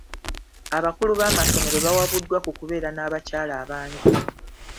Abakulu b'amasomero bawabuddwa ku kubeera n'abakyala abangi.